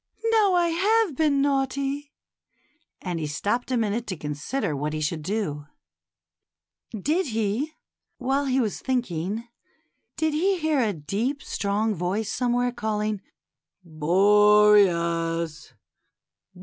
" Now I have been naughty ;" and he stopped a minute to consider what he should do. 92 THE CHILDREN'S WONDER BOOK. Did he — while he was thinking — did he hear a deep, strong voice somewhere calling, "Boreas!